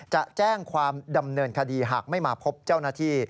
จะแจ้งความดำเนินคดีหากไม่มาพบเจ้าหน้าที่